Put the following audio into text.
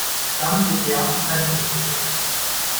Damit geht Beate keine Verpflichtung ein.